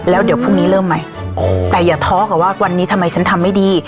แล้วเดี๋ยวพรุ่งนี้เริ่มใหม่แต่อย่าท้อกับว่าวันนี้ทำไมฉันทำไม่ดี